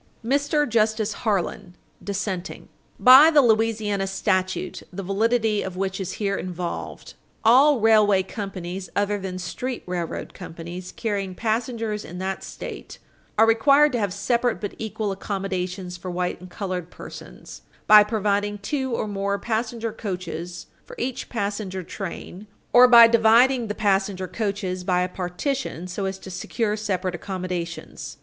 MR. JUSTICE HARLAN, dissenting. By the Louisiana statute the validity of which is here involved, all railway companies (other than street railroad companies) carrying passengers in that State are required to have separate but equal accommodations for white and colored persons "by providing two or more passenger coaches for each passenger train, or by dividing the passenger coaches by a partition so as to secure separate accommodations."